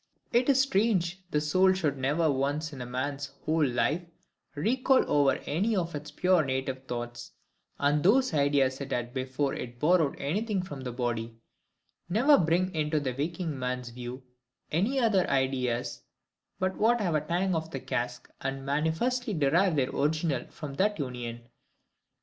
It is strange the soul should never once in a man's whole life recall over any of its pure native thoughts, and those ideas it had before it borrowed anything from the body; never bring into the waking man's view any other ideas but what have a tang of the cask, and manifestly derive their original from that union.